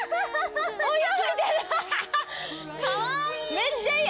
めっちゃいい！